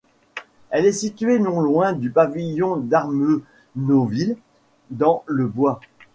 Elle est située non loin du pavillon d'Armenonville dans le bois.